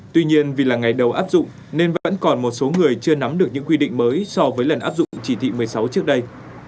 tuy nhiên vì là ngày đầu áp dụng nên vẫn còn một số người chưa nắm được những quy định mới so với lần áp dụng chỉ thị một mươi sáu trước đây